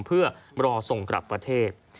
เพื่อรอส่งกลับประเทศ